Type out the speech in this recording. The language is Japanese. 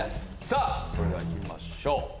さぁそれでは行きましょう。